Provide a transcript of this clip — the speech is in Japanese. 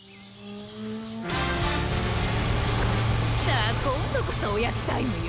さあこんどこそおやつタイムよ。